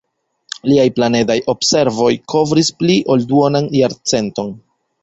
Liaj planedaj observoj kovris pli ol duonan jarcenton.